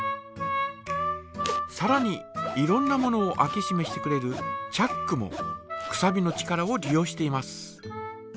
さらにいろんなものを開けしめしてくれるチャックもくさびの力を利用しています。